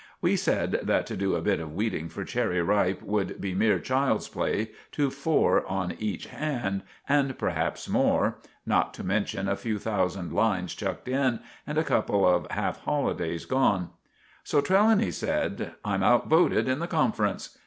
We said that to do a bit of weeding for Cherry Ripe would be mere child's play to four on each hand and perhaps more, not to mention a few thousand lines chucked in, and a couple of half holidays gone. So Trelawny said— "I'm out voted in the conference."